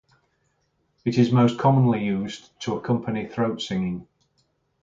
It is most commonly used to accompany throat singing.